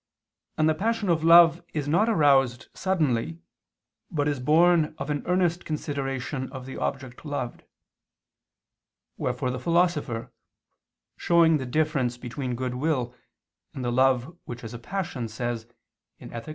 And the passion of love is not aroused suddenly, but is born of an earnest consideration of the object loved; wherefore the Philosopher, showing the difference between goodwill and the love which is a passion, says (Ethic.